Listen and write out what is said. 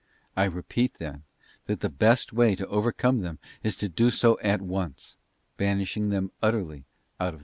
I repeat, then, that the best way to overcome them is to do so at once, banishing them utterly out of the memory.